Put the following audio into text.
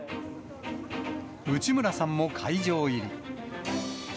内村さんも会場入り。